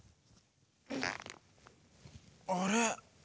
あれ？